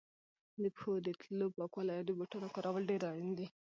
د پښو د تلو پاکوالی او د بوټانو کارول ډېر اړین دي.